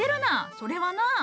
それはな。